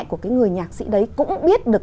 của cái người nhạc sĩ đấy cũng biết được